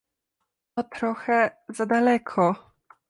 To trochę za daleko